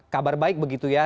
kabar baik begitu ya